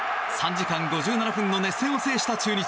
３時間５７分の熱戦を制した中日。